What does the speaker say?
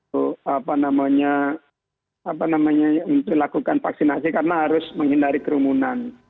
untuk apa namanya untuk lakukan vaksinasi karena harus menghindari kerumunan